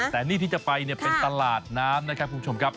แต่นี่ที่จะไปเนี่ยเป็นตลาดน้ำนะครับคุณผู้ชมครับ